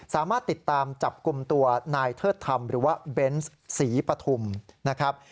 สามารถติดตามจับกลุ่มตัวนายเทิดธรรมหรือว่าเบนส์ศรีปฐุมนะครับ